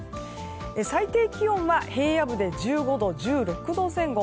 最低気温は平野部で１５度１６度前後。